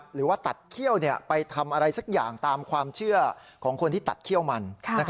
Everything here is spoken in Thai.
หรือว่าตัดเขี้ยวไปทำอะไรสักอย่างตามความเชื่อของคนที่ตัดเขี้ยวมัน